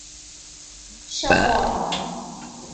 圣莫兰。